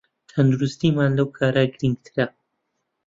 تەندروستیمان لەو کارە گرنگترە